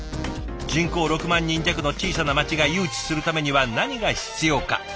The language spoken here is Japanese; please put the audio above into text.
人口６万人弱の小さな町が誘致するためには何が必要か？